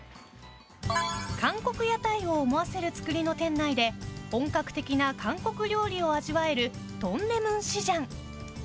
韓国屋台を思わせる作りの店内で本格的な韓国料理を味わえるトンデムンシジャン。